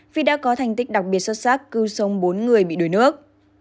vì đã có thành tích đặc biệt xuất sắc cứu sống bốn người bị đuổi nước